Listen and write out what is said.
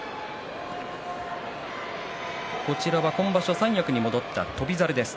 今場所、三役に戻った翔猿です。